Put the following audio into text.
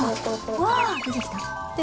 うわ出てきた。